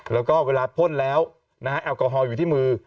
แล้วก็เวลาพ่นแล้วนะฮะแอลกอฮอลอยู่ที่มือ